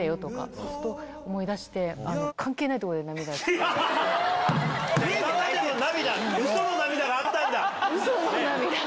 そうすると思い出して関係ないとこで涙が出て来る。